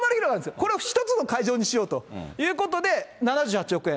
これを１つの会場にしようということで、７８億円。